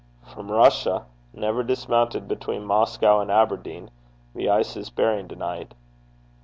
'From Russia. Never dismounted between Moscow and Aberdeen. The ice is bearing to night.'